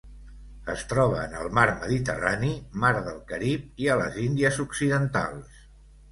Es troba en el mar Mediterrani, mar del Carib i a les Índies Occidentals.